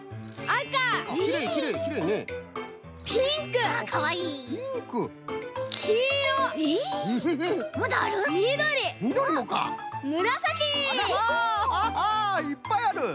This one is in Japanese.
あアハハいっぱいある。